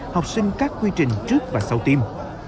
học sinh các quy trình trước và sau tiêm